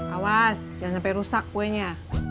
awas jangan sampai rusak kuenya